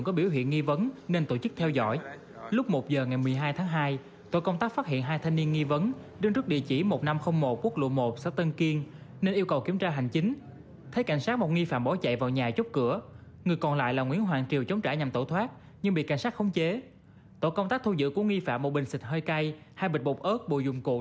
công an huyện bình chánh tp hcm